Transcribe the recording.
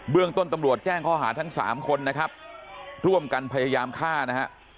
เรื่องต้นตำรวจแจ้งข้อหาทั้งสามคนนะครับร่วมกันพยายามฆ่านะฮะ